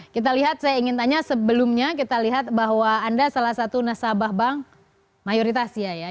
kita lihat saya ingin tanya sebelumnya kita lihat bahwa anda salah satu nasabah bank mayoritas ya